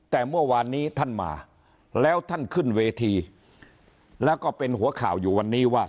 แต่เมื่อวานนี้ท่านมาแล้วท่านขึ้นเวทีแล้วก็เป็นหัวข่าวอยู่วันนี้ว่า